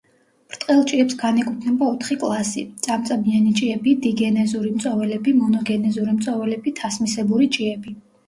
ბრტყელ ჭიებს განეკუთვნება ოთხი კლასი: წამწამიანი ჭიები, დიგენეზური მწოველები, მონოგენეზური მწოველები, თასმისებური ჭიები.